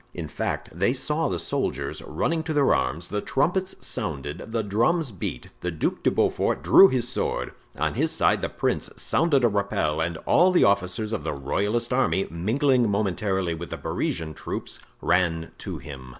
In fact, they saw the soldiers running to their arms; the trumpets sounded; the drums beat; the Duc de Beaufort drew his sword. On his side the prince sounded a rappel and all the officers of the royalist army, mingling momentarily with the Parisian troops, ran to him.